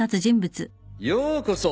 ようこそ。